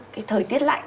cái thời tiết lạnh